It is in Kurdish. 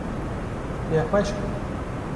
Nexweş bû.